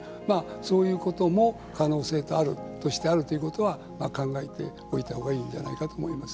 そういうことも可能性としてあるということは考えておいたほうがいいんじゃないかと思いますね。